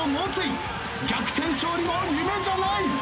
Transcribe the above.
逆転勝利も夢じゃない！